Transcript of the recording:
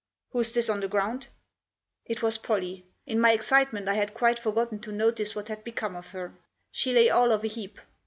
" Who's this on the ground ?" It was Pollie. In my excitement I had quite for gotten to notice what had become of her. She lay all of a heap.